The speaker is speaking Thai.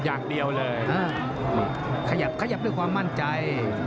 อย่างเดียวเลยขยับขยับด้วยความมั่นใจ